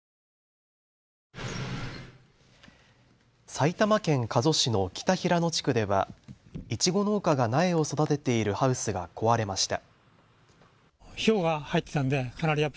埼玉県加須市の北平野地区ではいちご農家が苗を育てているハウスが壊れました。